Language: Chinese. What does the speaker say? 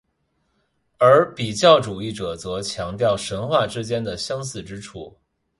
而比较主义者则强调神话之间的相似之处。